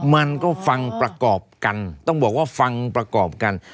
มันก็ฟังประกอบกันต้องบอกว่าฟังประกอบกัน